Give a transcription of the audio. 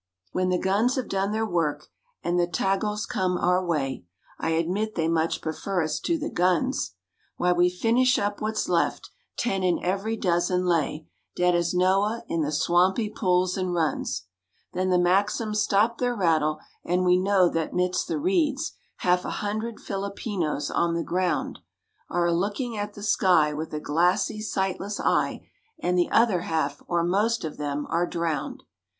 When the guns have done their work, and the Tagals come our way, (I admit they much prefer us to the guns,) Why, we finish up what's left—ten in every dozen lay Dead as Noah, in the swampy pools and runs; Then the Maxims stop their rattle and we know that midst the reeds, Half a hundred Filipinos on the ground Are a looking at the sky, with a glassy, sightless eye, And the other half—or most of them—are drowned.